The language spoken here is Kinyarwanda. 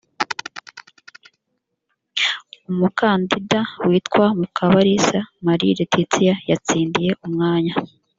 umukandida witwa mukabalisa marie laetitia yatsindiye umwanya.